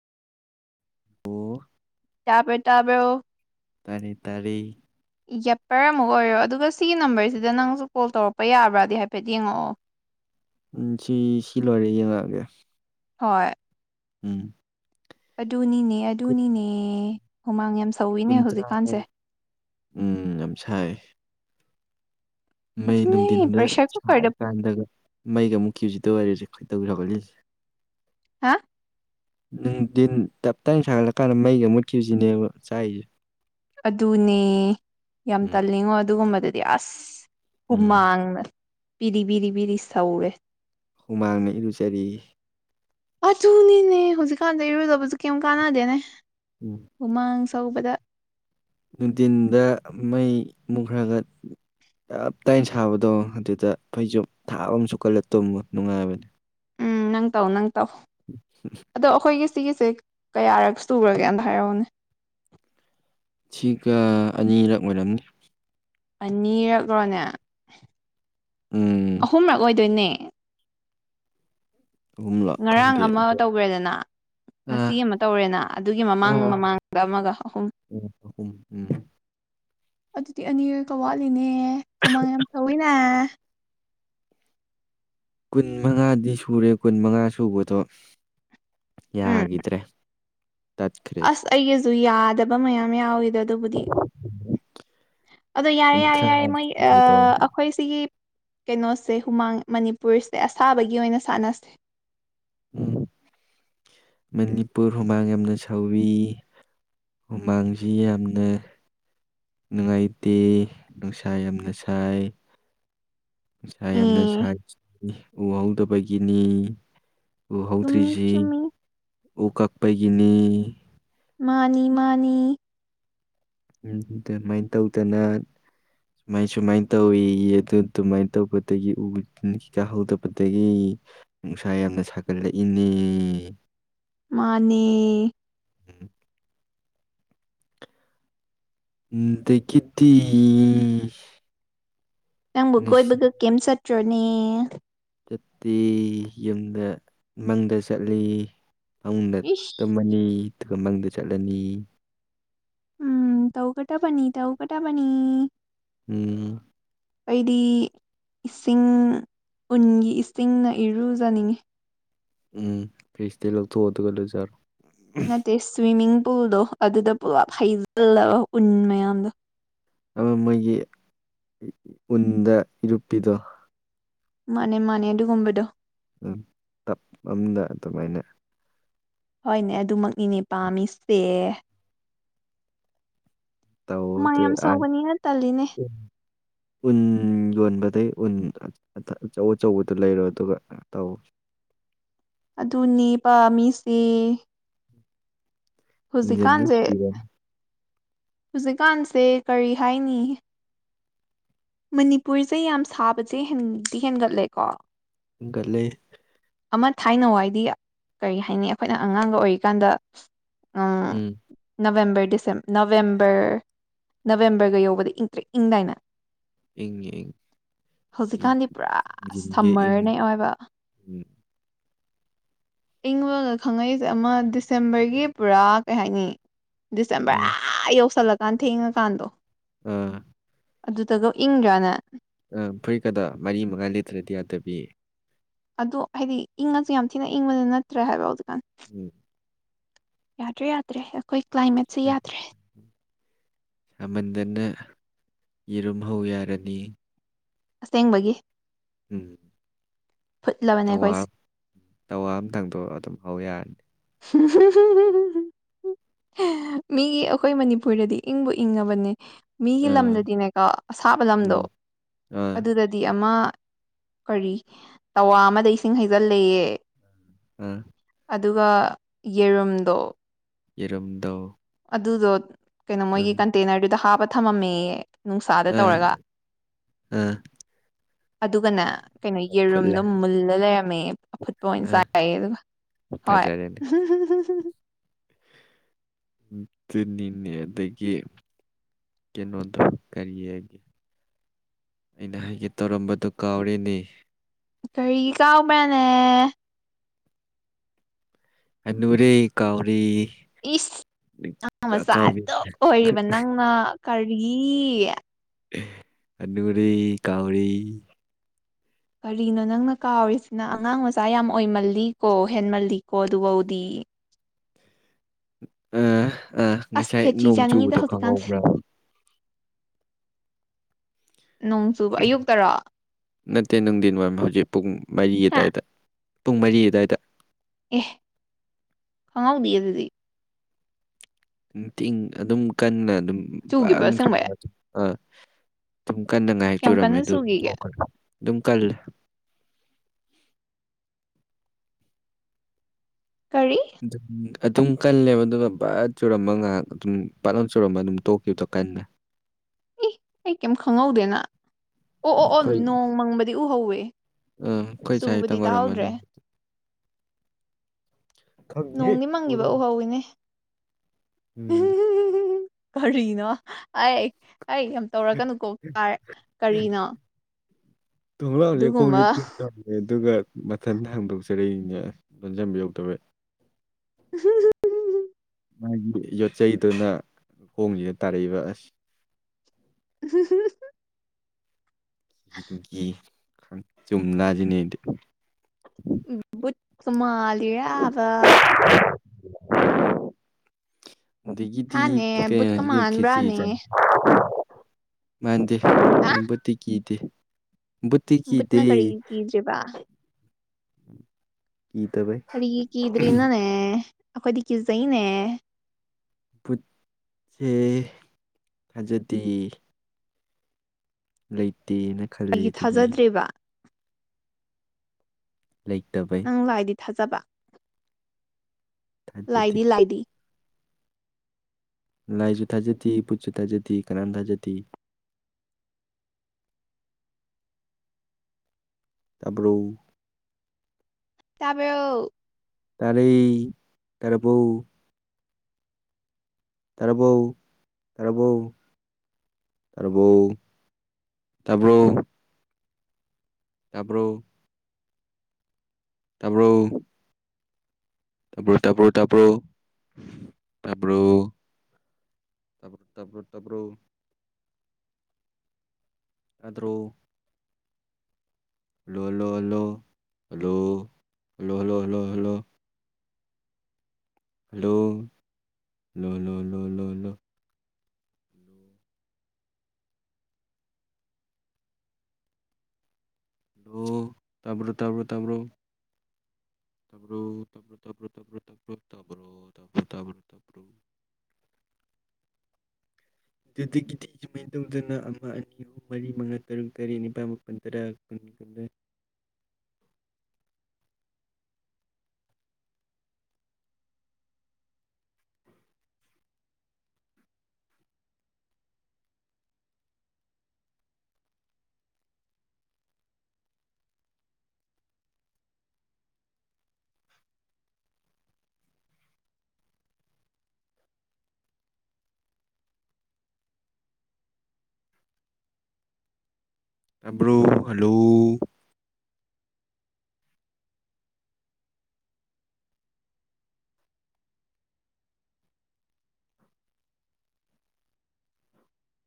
ꯣ ꯇꯕꯦ ꯇꯥꯕ ꯑꯣ ꯇꯔꯦ ꯇꯔꯦ ꯌꯥꯄꯔ ꯑꯃꯨꯛ ꯑꯣꯏꯔꯣ ꯑꯗꯨꯒ ꯁꯤꯒꯤ ꯅꯝꯕꯔꯁꯤꯗ ꯅꯪꯁꯨ ꯀꯣꯜ ꯇꯧꯔꯛꯄ ꯌꯥꯕ꯭ꯔꯗꯤ ꯍꯥꯏꯐꯦꯠ ꯌꯦꯡꯉꯛꯑꯣ [unintelligible] ꯎꯝ ꯁꯤ ꯁꯤ ꯂꯣꯏꯔꯦ ꯌꯦꯡꯉꯛꯑꯒꯦ ꯍꯣꯏ ꯎꯝ ꯑꯗꯨꯅꯤꯅꯦ ꯀꯨꯟ ꯑꯗꯨꯅꯤꯅꯦ ꯍꯨꯃꯥꯡ ꯌꯥꯝ ꯁꯧꯋꯤꯅꯦ ꯀꯨꯟꯊ꯭ꯔꯥ ꯍꯧꯖꯤꯛꯀꯥꯟꯁꯦ ꯎꯝ ꯌꯥꯝ ꯁꯥꯏ ꯃꯩ ꯑꯗꯨꯅꯦ ꯅꯨꯡꯊꯤꯟꯗ ꯄ꯭ꯔꯦꯁꯔ ꯀꯨꯀꯔꯗ ꯁꯥꯔꯤꯀꯥꯟꯗꯒ ꯃꯩꯒ ꯃꯨꯛꯀꯤꯖꯤꯗ ꯑꯣꯏꯔꯁꯦ ꯈꯣꯏꯇꯧꯖꯒꯂꯤꯁꯦ ꯍꯥ ꯅꯨꯡꯊꯤꯟ ꯇꯞ ꯇꯥꯏꯅ ꯁꯥꯒꯠꯂꯀꯥꯟꯗ ꯃꯩꯒ ꯃꯨꯠꯈꯤꯕꯁꯤꯅꯦꯕ ꯆꯥꯛꯁꯦ ꯑꯗꯨꯅꯦ ꯌꯥꯝ ꯎꯝ ꯇꯜꯂꯤꯉꯣ ꯑꯗꯨꯒꯨꯝꯕꯗꯗꯤ ꯑꯁ ꯎꯝ ꯍꯨꯃꯥꯡꯅ ꯄꯤꯔꯤ ꯄꯕꯤꯔꯤ ꯄꯕꯤꯔꯤ ꯁꯧꯔꯦ ꯍꯨꯃꯥꯡꯅ ꯏꯔꯨꯖꯔꯤ ꯑꯆꯨꯅꯤꯅꯦ ꯍꯧꯖꯤꯛꯀꯥꯟꯗ ꯏꯔꯨꯗꯕꯁꯨ ꯀꯩꯝ ꯀꯥꯟꯅꯗꯦꯅꯦ ꯎꯃꯥꯡ ꯀꯧꯕꯗ ꯅꯨꯡꯇꯤꯟꯗ ꯃꯩ ꯃꯨꯛꯈ꯭ꯔꯒ ꯆꯞ ꯇꯥꯏꯅ ꯁꯥꯕꯗꯣ ꯑꯗꯨꯗ ꯐꯩꯖꯣ ꯊꯥꯕ ꯑꯃꯨ ꯀꯜꯂ ꯇꯨꯝ ꯅꯨꯡꯉꯥꯏꯕꯅꯤ ꯎꯝ ꯅꯪ ꯇꯧ ꯅꯪ ꯇꯧ ꯑꯗꯣ ꯑꯩꯈꯣꯏꯒꯤ ꯁꯤꯒꯤꯁꯦ ꯀꯌꯥꯔꯛ ꯇꯨꯨꯔꯒꯦꯅꯗ ꯍꯥꯏꯔꯛꯎꯅꯦ ꯁꯤꯒ ꯑꯅꯤꯔꯛ ꯑꯣꯏꯔꯝꯅꯤ ꯑꯅꯤꯔꯛꯂꯣꯅꯦ ꯎꯝ ꯑꯍꯨꯝꯔꯛ ꯑꯣꯏꯗꯣꯏꯅꯦ ꯑꯍꯨꯝꯂꯛ ꯉꯔꯥꯡ ꯈꯪꯗꯦ ꯑꯃ ꯑꯗꯨ ꯇꯧꯕ꯭ꯔꯦꯗꯅ ꯉꯁꯤ ꯑꯥ ꯑꯃ ꯇꯧꯔꯦꯅ ꯑꯗꯨꯒꯤ ꯃꯃꯥꯡ ꯑꯥ ꯃꯃꯥꯡꯗ ꯑꯃꯒ ꯑꯍꯨꯝ ꯎꯝ ꯑꯍꯨꯝ ꯎꯝ ꯑꯗꯨꯗꯤ ꯑꯅꯤꯔꯣꯏꯀ ꯋꯥꯠꯂꯤꯅꯦ ꯍꯨꯃꯥꯡ ꯌꯥꯝ ꯊꯧꯋꯤꯅꯦ ꯀꯨꯟ ꯃꯉꯥꯗꯤ ꯁꯨꯔꯦ ꯀꯨꯟ ꯃꯉꯥ ꯁꯨꯕꯗꯣ ꯎꯝ ꯌꯥꯒꯤꯗ꯭ꯔꯦ ꯑꯁ ꯑꯩꯒꯁꯨ ꯌꯥꯗꯕ ꯃꯌꯥꯝ ꯌꯥꯎꯋꯤꯗꯣ ꯑꯗꯨꯕꯨꯗꯤ ꯑꯗꯣ ꯌꯥꯔꯦ ꯌꯥꯔꯦ ꯀꯨꯟꯊ꯭ꯔꯥ ꯌꯥꯔꯦ ꯃꯣꯏ ꯁꯨꯒꯦ ꯇꯧꯔꯦ ꯑꯩꯈꯣꯏ ꯁꯤꯒꯤ ꯀꯩꯅꯣꯁꯦ ꯍꯨꯃꯥꯡ ꯃꯅꯤꯄꯨꯔꯁꯦ ꯑꯁꯥꯕꯒꯤ ꯑꯣꯏꯅ ꯁꯥꯟꯅꯁꯦ ꯎꯝ ꯃꯅꯤꯄꯨꯔ ꯍꯨꯃꯥꯡ ꯌꯥꯝꯅ ꯁꯥꯎꯋꯤ ꯍꯨꯃꯥꯡꯁꯤ ꯌꯥꯝꯅ ꯅꯨꯡꯉꯥꯏꯇꯦ ꯅꯨꯡꯁꯥ ꯌꯥꯝꯅ ꯁꯥꯏ ꯏꯁꯁꯥ ꯌꯥꯝꯅ ꯑꯦ ꯁꯥꯥꯏꯈꯤ ꯎꯍꯧꯗꯕꯒꯤꯅꯤ ꯎ ꯆꯨꯝꯃꯤ ꯍꯧꯗ꯭ꯔꯤꯁꯤ ꯆꯨꯝꯃꯤ ꯎ ꯀꯛꯄꯒꯤꯅꯤ ꯃꯥꯅꯤ ꯃꯥꯅꯤ ꯑꯗꯨꯃꯥꯏꯅ ꯇꯧꯗꯅ ꯁꯨꯃꯥꯏ ꯁꯨꯃꯥꯏꯅ ꯇꯧꯋꯤ ꯑꯗꯨ ꯑꯗꯨꯃꯥꯏꯅ ꯇꯧꯕꯗꯒꯤ ꯎ ꯀꯩ ꯀꯥꯍꯧꯗꯕꯗꯒꯤ ꯅꯨꯡꯁꯥ ꯌꯥꯝꯅ ꯁꯥꯀꯔꯤ ꯂꯛꯏꯅꯦ ꯃꯥꯅꯦ ꯎꯝ ꯗꯈꯤꯇ ꯅꯪꯕꯨ ꯀꯣꯏꯕꯒ ꯀꯩꯝ ꯆꯠꯇ꯭ꯔꯣꯅꯦ ꯆꯠꯇꯦ ꯌꯨꯝꯗ ꯏꯃꯪꯗ ꯆꯠꯂꯤ ꯐꯨꯡꯗ ꯏꯁ ꯇꯝꯃꯅꯤ ꯑꯗꯨꯒ ꯃꯪꯗ ꯆꯠꯂꯅꯤ ꯎꯝ ꯇꯧ ꯀꯇꯕꯅꯤ ꯇꯧ ꯀꯇꯥꯕꯅꯤ ꯎꯝ ꯑꯩꯗꯤ ꯏꯁꯤꯡ ꯎꯟꯒꯤ ꯏꯁꯤꯡꯅ ꯏꯔꯨꯖꯅꯤꯡꯉꯤ ꯎꯝ ꯐꯤꯁꯇ ꯂꯧꯊꯗꯒꯂ ꯆꯔꯣ ꯅꯠꯇꯦ ꯁ꯭ꯋꯤꯃꯤꯡ ꯄꯨꯜꯗꯣ ꯑꯗꯨꯗ ꯄꯨꯂꯞ ꯍꯩꯖꯤꯜꯂꯕ ꯎꯟ ꯃꯌꯥꯝꯗꯣ ꯑꯃ ꯃꯣꯏꯒꯤ ꯎꯟꯗ ꯏꯔꯨꯞꯄꯤꯗꯣ ꯃꯥꯅꯦ ꯃꯥꯅꯦ ꯑꯗꯨꯒꯨꯝꯕꯗꯣ ꯇꯞ ꯑꯃꯝꯗ ꯑꯗꯨꯃꯥꯏꯅ ꯍꯣꯏꯅꯦ ꯑꯗꯨꯃꯛꯅꯤꯅꯦ ꯄꯥꯝꯃꯤꯁꯦ ꯇ ꯍꯨꯃꯥꯡ ꯑꯣꯗꯤ ꯌꯥꯝ ꯁꯧꯕꯅꯤꯅ ꯇꯜꯂꯤꯅꯦ ꯎꯟ ꯌꯣꯟꯕꯗꯒ ꯎꯟ ꯑꯆꯧ ꯑꯆꯧꯕꯗꯨꯣ ꯂꯩꯔꯣ ꯑꯗꯨꯒ ꯇꯧ ꯑꯗꯨꯅꯦ ꯄꯥꯝꯃꯤꯁꯦ ꯏꯟꯖꯤꯟꯗ ꯍꯧꯖꯤꯛꯀꯥꯟꯁꯦ ꯁꯤꯔꯅꯤ ꯍꯧꯖꯤꯛꯀꯥꯟꯁꯦ ꯀꯔꯤ ꯍꯥꯏꯅꯤ ꯃꯅꯤꯄꯨꯔꯁꯦ ꯌꯥꯝ ꯁꯥꯕꯁꯦꯗꯤ ꯍꯦꯟꯒꯠꯂꯦꯀꯣ ꯂꯦ ꯑꯃ ꯊꯥꯏꯅ ꯋꯥꯏꯗꯤ ꯀꯔꯤ ꯍꯥꯏꯅꯤ ꯑꯩꯈꯣꯏꯅ ꯑꯉꯥꯡꯒ ꯑꯣꯏꯔꯤꯀꯥꯟꯗ ꯎꯝ ꯅꯕꯦꯝꯕꯔ ꯗꯤꯁꯦꯝ ꯅꯕꯦꯝꯕꯔ ꯅꯕꯦꯝꯕꯔꯒ ꯌꯧꯕꯗ ꯏꯪ ꯇ꯭ꯔꯦꯛ ꯏꯪꯗꯥꯏꯅ ꯏꯪ ꯍꯧꯖꯤꯛꯀꯥꯟꯗꯤ ꯄꯨꯔꯥ ꯏꯟꯖꯤꯟꯒꯤ ꯏꯪ ꯁꯝꯃꯔꯅꯦ ꯑꯣꯏꯕ ꯎꯝ ꯏꯪꯕꯒ ꯈꯪꯉꯛꯏꯁꯦ ꯑꯃ ꯗꯤꯁꯦꯝꯕꯔꯒꯤ ꯄꯨꯔꯥ ꯀꯩ ꯍꯥꯏꯅꯤ ꯑ ꯗꯤꯁꯦꯝꯕꯔ ꯑ ꯌꯧꯁꯜꯂꯀꯥꯟ ꯊꯦꯡꯉꯀꯥꯟꯗꯣ ꯑ ꯑꯗꯨꯗꯒ ꯏꯪꯗ꯭ꯔꯥꯅꯦ ꯑ ꯐꯔꯤ ꯀꯗꯥ ꯃꯔꯤ ꯃꯉꯥ ꯂꯤꯇ꯭ꯔꯗꯤ ꯌꯥꯗꯕꯤ ꯑꯗꯨꯗꯣ ꯍꯥꯏꯗꯤ ꯏꯪꯉꯁꯨ ꯌꯥꯝ ꯊꯤꯅ ꯏꯪꯕꯗꯤ ꯅꯠꯇ꯭ꯔꯦ ꯍꯥꯏꯕ ꯍꯧꯖꯤꯛꯀꯥꯟ ꯎꯝ ꯌꯥꯗ꯭ꯔꯦ ꯌꯥꯗ꯭ꯔꯦ ꯑꯩꯈꯣꯏ ꯀ꯭ꯂꯥꯏꯃꯦꯠꯁꯦ ꯌꯥꯗ꯭ꯔꯦ ꯁꯃꯟꯗꯅ ꯌꯦꯔꯨꯝꯍꯧ ꯌꯥꯔꯅꯤ ꯑꯁꯦꯡꯕꯒꯤ ꯎꯝ ꯐꯨꯠꯂꯕꯅꯦ ꯇꯋꯥ ꯑꯩꯈꯣꯏꯁꯦ ꯇꯋꯥ ꯑꯃꯝꯇꯪꯗꯣ ꯑꯗꯨꯝ ꯍꯧ ꯌꯥꯔꯅꯤ ꯃꯤꯒꯤ ꯑꯩꯈꯣꯏ ꯃꯅꯤꯄꯨꯔꯗꯗꯤ ꯏꯪꯕꯨ ꯏꯪꯉꯕꯅꯦ ꯃꯤꯒꯤ ꯑ ꯂꯝꯗꯗꯤꯅꯦꯀꯣ ꯑꯁꯥꯕ ꯎꯝ ꯂꯝꯗꯣ ꯑ ꯑꯗꯨꯗꯗꯤ ꯑꯃ ꯀꯔꯤ ꯇꯋꯥ ꯑꯃꯗ ꯏꯁꯤꯡ ꯍꯩꯖꯤꯜꯂꯑꯦ ꯑꯥ ꯑꯗꯨꯒ ꯌꯦꯔꯨꯝꯗꯣ ꯏꯔꯝꯗ ꯑꯗꯨꯗꯣ ꯀꯩꯅꯣ ꯃꯣꯏꯒꯤ ꯀꯟꯇꯦꯅꯔꯗꯨꯗ ꯍꯥꯞꯄ ꯊꯝꯃꯝꯃꯦꯌꯦ ꯅꯨꯡꯁꯥꯗ ꯇꯧꯔꯒ ꯑ ꯑ ꯑꯗꯨꯒꯅꯦ ꯀꯩꯅꯣ ꯌꯦꯔꯨꯝꯗꯣ ꯐꯨꯠꯂꯦ ꯃꯨꯜꯂ ꯂꯩꯔꯝꯃꯦ ꯑꯐꯨꯠꯄ ꯑꯣꯏꯅ ꯑ ꯆꯥꯏꯥꯏꯌꯦ ꯑꯗꯨꯒ ꯍꯣꯏ ꯐꯖꯔꯦꯅꯦ ꯅꯤꯅꯤꯦ ꯑꯗꯒꯤ ꯀꯩꯅꯣꯗ ꯀꯔꯤꯌꯦꯒꯦ ꯑꯩꯅ ꯍꯥꯏꯒꯦ ꯇꯧꯔꯝꯕꯗꯨ ꯀꯥꯎꯔꯤꯅꯤ ꯀꯔꯤ ꯀꯥꯎꯕ꯭ꯔꯅꯦ ꯟꯅꯨꯔꯤ ꯀꯥꯎꯔꯤ ꯏꯁ ꯅ ꯃꯆꯥꯇ ꯑꯣꯏꯔꯤꯕ ꯅꯪꯅ ꯀꯔꯤꯦ ꯀꯅꯒꯔꯤ ꯀꯥꯎꯔꯤ ꯀꯔꯤꯅꯣ ꯅꯪꯅ ꯀꯥꯎꯔꯤꯁꯤꯅ ꯑꯉꯥꯡ ꯃꯆꯥ ꯌꯥꯝ ꯑꯣꯏꯃꯜꯂꯤꯀꯣ ꯍꯦꯟꯃꯜꯂꯤꯀꯣ ꯑꯗꯨꯐꯧꯗꯤ ꯎ ꯑ ꯑꯥ ꯑꯁ ꯉꯁꯥꯏ ꯈꯦꯆꯤ ꯅꯣꯡ ꯆꯥꯅꯤꯡꯉꯤꯗ ꯆꯨꯕꯗꯣ ꯍꯧꯖꯤꯛꯀꯥꯟꯁꯦ ꯈꯪꯍꯧꯕ꯭ꯔꯥ ꯅꯣꯡ ꯆꯨꯕ ꯑꯌꯨꯛꯇꯔꯣ ꯅꯠꯇꯦ ꯅꯨꯡꯊꯤꯟ ꯋꯥꯏꯝ ꯍꯧꯖꯤꯛ ꯄꯨꯡ ꯃꯔꯤꯒꯤ ꯍꯥ ꯇꯥꯏꯗ ꯄꯨꯡ ꯃꯔꯤ ꯑꯗꯨꯋꯥꯏꯗ ꯑꯦ ꯈꯉꯕꯨꯗꯤꯌꯦ ꯑꯗꯨꯗꯤ ꯤꯡ ꯑꯗꯨꯝ ꯀꯟꯅ ꯑꯗꯨꯝ ꯄ ꯆꯨꯈꯤꯕ꯭ꯔꯣ ꯑꯁꯦꯡꯕꯩ ꯑ ꯑꯗꯨꯝ ꯀꯟꯅꯗ ꯉꯥꯏꯍꯦꯛ ꯀꯌꯥꯝ ꯆꯨꯔꯝꯃꯦ ꯀꯟꯅ ꯑꯗꯨ ꯆꯨꯈꯤꯒꯦ ꯑꯗꯨꯝ ꯀꯜꯂꯦ ꯀꯔꯤ ꯑꯗꯨꯝ ꯑꯗꯨꯝ ꯀꯜꯂꯦꯕ ꯑꯗꯨꯒ ꯕꯠ ꯆꯨꯔꯃ ꯉꯥꯏꯍꯥꯛ ꯑꯗꯨꯝ ꯄꯠꯂꯝ ꯆꯨꯔꯝꯕ ꯑꯗꯨꯝ ꯇꯣꯛꯈꯤꯕꯗꯣ ꯀꯟꯅꯂꯦ ꯏ ꯑꯩ ꯀꯩꯝ ꯈꯪꯍꯧꯗꯦꯅ ꯑꯣ ꯑꯣ ꯑꯣ ꯅꯣꯡ ꯃꯪꯕꯗꯤ ꯎꯍꯧꯋꯦ ꯑ ꯆꯨꯕꯗꯤ ꯑꯩꯈꯣꯏꯁꯥꯏꯇꯪ ꯑꯣꯏꯔꯝꯃꯅꯤ ꯇꯥꯍꯧꯗ꯭ꯔꯦ ꯈꯪꯉꯦ ꯅꯣꯡꯗꯤ ꯃꯪꯉꯤꯕ ꯑꯣꯏꯔꯣꯡ ꯎꯍꯧꯋꯤꯅꯦ ꯎꯝ ꯀꯔꯤꯅꯣ ꯑꯩ ꯑꯩ ꯌꯥꯝ ꯇꯧꯔꯛꯀꯅꯨꯀꯣ ꯀꯔꯤꯅꯣ ꯊꯣꯡꯂꯛꯁꯦ ꯈꯣꯡꯁꯦ ꯑꯗꯨꯒꯨꯝꯕ ꯇꯨꯝ ꯆꯦ ꯑꯗꯨꯒ ꯃꯊꯟꯇ ꯍꯥꯡꯗꯣꯛꯆꯔꯛꯏꯅꯦ ꯂꯣꯟꯖꯟ ꯌꯧꯗꯕ ꯍ ꯃꯥꯒꯤ ꯌꯣꯠꯆꯩꯗꯨꯅ ꯈꯣꯡꯁꯤꯗ ꯇꯥꯔꯛꯏꯕ ꯑꯁ ꯍ ꯗꯨꯒꯤ ꯈ ꯆꯨꯝꯅꯁꯤꯅꯦ ꯕꯨꯀ ꯃꯥꯜꯂꯤꯔꯕ ꯗꯗꯒꯤꯗꯤ ꯍꯥꯅꯦ ꯀꯩ ꯕꯨꯠꯀ ꯍꯧꯖꯤ ꯈꯦꯁꯤ ꯃꯥꯟꯕ꯭ꯔꯥꯅꯦ ꯃꯥꯟꯗꯦ ꯍꯥ ꯅꯨꯡꯕꯨꯗꯤꯤ ꯀꯤꯗꯦ ꯕꯨꯠꯇꯤ ꯕꯨꯠꯅ ꯀꯤꯗꯦ ꯀꯔꯤꯒꯤ ꯔꯤꯕꯥ ꯀꯤꯗꯕꯩ ꯀꯔꯤꯒꯤ ꯀꯤꯗ꯭ꯔꯤꯅꯣꯅꯦ ꯑꯩꯈꯣꯏꯗꯤ ꯀꯤꯖꯩꯅꯦ ꯠꯁꯦ ꯊꯥꯖꯗꯦ ꯂꯩꯇꯦꯅ ꯈꯜꯂꯤ ꯑꯩꯒꯤ ꯑꯗꯨꯒꯤ ꯊꯥꯖꯗ꯭ꯔꯤꯕ ꯂꯩꯇꯕꯩ ꯅꯪ ꯋꯥꯥꯏꯗꯤ ꯊꯥꯖꯕ ꯊꯥꯖꯗꯦ ꯂꯥꯏꯗꯤ ꯂꯥꯏꯗꯤ ꯂꯥꯏꯁꯨ ꯊꯥꯖꯗꯦ ꯄꯨꯠꯁꯨ ꯊꯥꯖꯗꯦ ꯀꯅꯥꯝ ꯊꯥꯖꯗꯦ ꯑ ꯇꯕ꯭ꯔꯣ ꯇꯕ ꯇꯔꯩ ꯇꯔꯄꯣ ꯇꯔꯕꯣꯎ ꯇꯔꯕꯣꯎ ꯇꯥꯕꯔꯣ ꯇꯥꯕꯔꯣ ꯇꯕꯔꯣ ꯇꯥꯕꯥꯔꯣ ꯇꯕꯔꯣ ꯇꯕꯔꯣ ꯇꯕꯔꯣ ꯇꯕꯔꯣ ꯇꯕꯔꯣ ꯇꯕꯔꯣ ꯑꯗ꯭ꯔꯣ hello hello hello hello hello hello hello hello hello hello ꯂꯣ ꯂꯣ ꯂꯣ ꯂꯣ ꯂꯣ ꯇꯕ꯭ꯔꯣ ꯇꯕ꯭ꯔꯣ ꯇꯕ꯭ꯔꯣ ꯇꯔ ꯇꯔ ꯇꯔ ꯇꯔ ꯇꯔ [unintelligible] ꯃꯥꯏꯅ ꯇꯧꯗꯅ ꯑꯃ ꯑꯅꯤ ꯑꯍꯨꯝ ꯃꯔꯤ ꯃꯉꯥ ꯇꯔꯨꯛ ꯇꯔꯦꯠ ꯅꯤꯄꯥꯜ ꯃꯥꯄꯜ ꯇꯔꯥ ꯀꯨꯟ ꯀꯩ [unintelligible] ꯇꯕ꯭ꯔꯣ ꯍꯜꯂꯣ